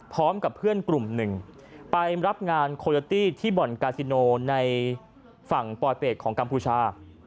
พร้อมกับเพื่อนกลุ่มหนึ่งไปรับงานโคโยตี้ที่บ่อนกาซิโนในฝั่งปลอยเปรตของกัมพูชา